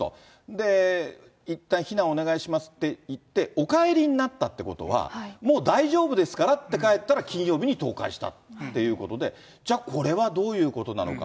で、いったん避難をお願いしますっていって、お帰りになったってことは、もう大丈夫ですからって帰ったら金曜日に倒壊したっていうことで、じゃあ、これはどういうことなのか。